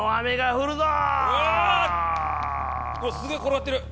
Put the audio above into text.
うわっすげえ転がってる！